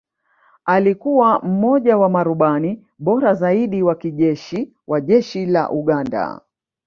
Alikuwa mmoja wa marubani bora zaidi wa kijeshi wa Jeshi la Uganda